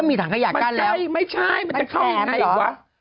ก็มีถังขยะกั้นแล้วมันใช่ไม่ใช่มันจะเข้าไปไหนหรือวะ